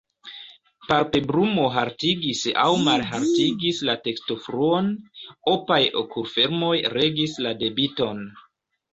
Palpebrumo haltigis aŭ malhaltigis la tekstofluon, opaj okulfermoj regis la debiton.